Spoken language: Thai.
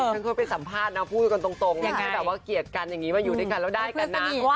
ฉันเคยไปสัมภาษณ์นะพูดกันตรงว่าแค่แบบว่าเกลียดกันอย่างนี้มาอยู่ด้วยกันแล้วได้กันนะ